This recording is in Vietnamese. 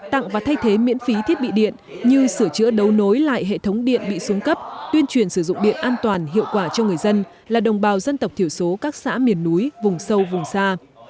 tặng và thay thế miễn phí thiết bị điện như sửa chữa đấu nối lại hệ thống điện bị xuống cấp tuyên truyền sử dụng điện an toàn hiệu quả cho người dân là đồng bào dân tộc thiểu số các xã miền núi vùng sâu vùng xa